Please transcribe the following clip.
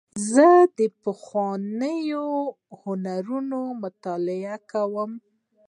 زه د پخوانیو هنرونو مطالعه کوم.